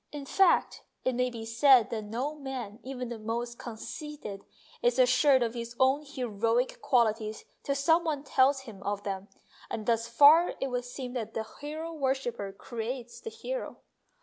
In fact, it may be said that no man, even the most conceited, is assured of his own heroic qualities till some one tells him of them, and thus far it would seem that the hero worshipper creates the hero.